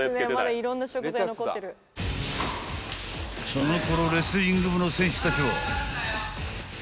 ［そのころレスリング部の選手たちは］